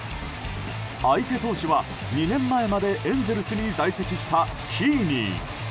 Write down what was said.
相手投手は２年前までエンゼルスに在籍したヒーニー。